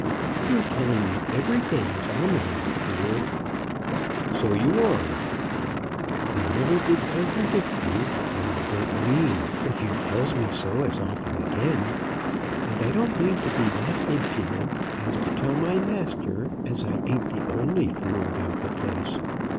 You're telling me every day as I'm an old fool." "So you are." "I didn't never contradict you; nor I don't mean, if you tells me so as often again. And I don't mean to be that impident as to tell my master as I ain't the only fool about the place.